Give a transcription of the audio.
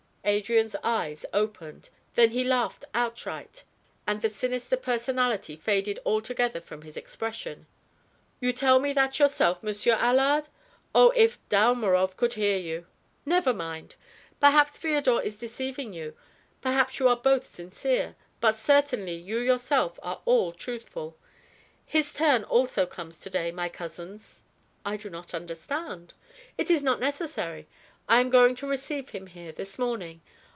Adrian's eyes opened, then he laughed outright and the sinister personality faded altogether from his expression. "You tell me that yourself, Monsieur Allard? Oh, if Dalmorov could hear you! Never mind; perhaps Feodor is deceiving you, perhaps you are both sincere, but certainly you yourself are all truthful. His turn also comes to day, my cousin's." "I do not understand " "It is not necessary. I am going to receive him here, this morning.